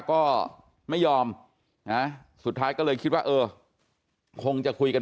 ก็ไม่ยอมนะสุดท้ายก็เลยคิดว่าเออคงจะคุยกัน